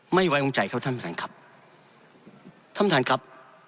ไม่ไว้วางใจครับท่านประธานครับท่านประธานครับ